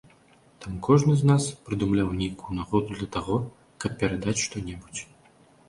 Таму кожны з нас прыдумляў нейкую нагоду для таго, каб перадаць што-небудзь.